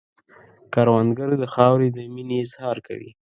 کروندګر د خاورې د مینې اظهار کوي